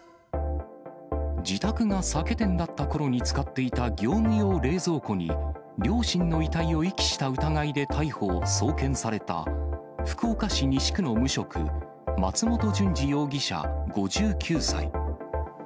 自宅が酒店だったころに使っていた業務用冷蔵庫に、両親の遺体を遺棄した疑いで逮捕・送検された、福岡市西区の無職、松本淳二容疑者５９歳。